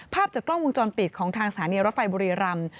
ภาพจากกล้องวงจรปิดของทางสถานีรถไฟบุรีรำ